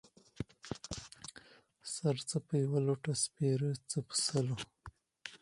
سر څه په يوه لوټۀ سپيره ، څه په سلو.